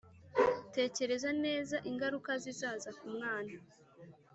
Tekereza neza ingaruka zizaza ku mwana